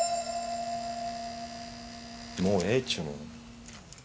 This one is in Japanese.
もうええっちゅうの！